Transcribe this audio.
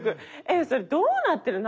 えっそれどうなってる？